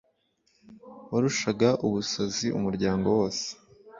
warushaga ubusazi umuryango wose